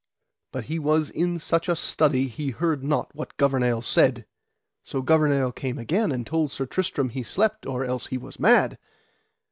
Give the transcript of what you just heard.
But he was in such a study he heard not what Gouvernail said. So Gouvernail came again and told Sir Tristram he slept, or else he was mad.